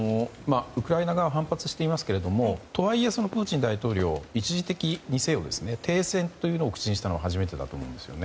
ウクライナ側は反発していますがとはいえ、プーチン大統領一時的にせよ停戦というものを口にしたのは初めてだと思うんですね。